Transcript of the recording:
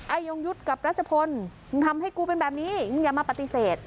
ยงยุทธ์กับรัชพลมึงทำให้กูเป็นแบบนี้มึงอย่ามาปฏิเสธ